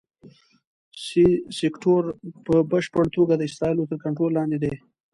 سي سیکټور په بشپړه توګه د اسرائیلو تر کنټرول لاندې دی.